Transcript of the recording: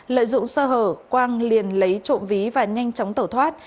lợi dụng sơ hở quang liền lấy trộm ví và nhanh chóng tẩu thoát